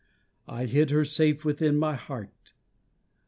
I hid her safe within my heart.